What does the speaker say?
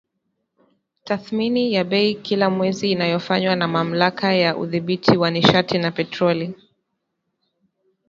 tathmini ya bei kila mwezi inayofanywa na Mamlaka ya Udhibiti wa Nishati na Petroli